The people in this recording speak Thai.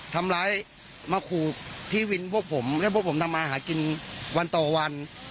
ที่วินพวกผมให้พวกผมทำอาหารกินวันต่อวัน